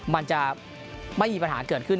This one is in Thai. มันจะไม่มีปัญหาเกิดขึ้น